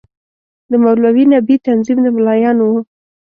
د مولوي نبي تنظیم د ملايانو وو.